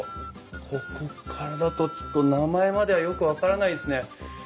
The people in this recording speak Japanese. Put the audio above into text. ここからだとちょっと名前まではよく分からないですね。